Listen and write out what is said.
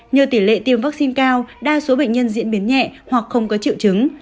nhờ tỷ lệ tiêm vaccine cao đa số bệnh nhân diễn biến nhẹ hoặc không có triệu chứng